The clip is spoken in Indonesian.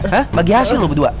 hah bagi hasil loh berdua